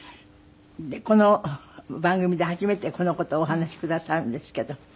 この番組で初めてこの事をお話しくださるんですけど。